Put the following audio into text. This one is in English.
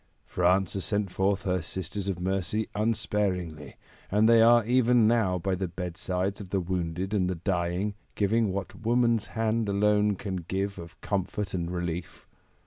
France has sent forth her Sisters of Mercy unsparingly, and they are even now by the bedsides of the wounded and the dying, giving what woman's hand alone can give of comfort and relief.